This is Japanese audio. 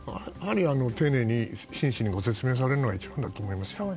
丁寧に、真摯にご説明されるのが一番だと思いますよ。